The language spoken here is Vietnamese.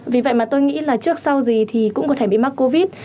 vì vậy mà tôi nghĩ là trước sau gì thì cũng có thể bị mắc covid